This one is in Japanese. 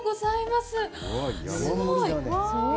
すごい！